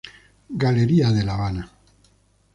Galería de la Habana.